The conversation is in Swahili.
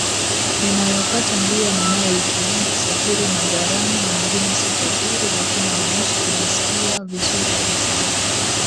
ninayopata ndiyo ninayoitumia kusafiri na gharama nyingine Si tajiri lakini naishi kujisikia vizuri alisema